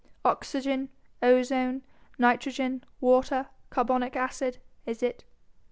Oxygen, ozone, nitrogen, water, carbonic acid, is it?